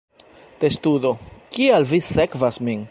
Testudo: "Kial vi sekvas min?"